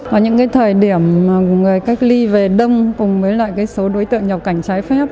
ở những cái thời điểm người cách ly về đông cùng với lại cái số đối tượng nhập cảnh trái phép